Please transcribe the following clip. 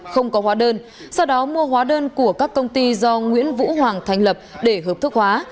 không có hóa đơn sau đó mua hóa đơn của các công ty do nguyễn vũ hoàng thành lập để hợp thức hóa